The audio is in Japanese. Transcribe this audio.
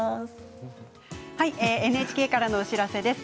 ＮＨＫからのお知らせです。